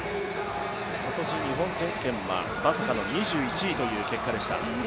今年、日本選手権はまさかの２１位という結果でした。